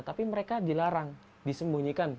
tapi mereka dilarang disembunyikan